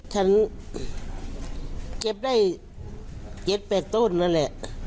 ฉันเจ็บได้เย็นเป็นต้นนั้นแหละ